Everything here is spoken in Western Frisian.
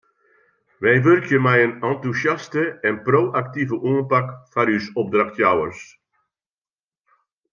Wy wurkje mei in entûsjaste en pro-aktive oanpak foar ús opdrachtjouwers.